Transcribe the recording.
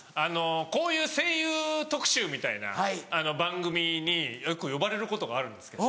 こういう声優特集みたいな番組によく呼ばれることがあるんですけど。